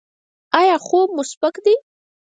ایا خوب مو سپک دی؟